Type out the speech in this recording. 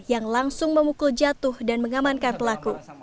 yang langsung memukul jatuh dan mengamankan pelaku